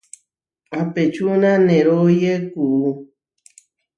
Apečúna neróye kuú.